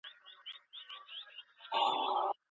لوی نومونه یوازي په ارثي لیاقت پوري نه تړل کېږي.